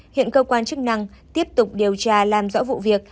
hiện cơ quan chức năng tiếp tục điều tra làm rõ vụ việc